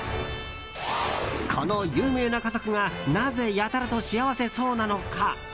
この有名な家族がなぜ、やたらと幸せそうなのか。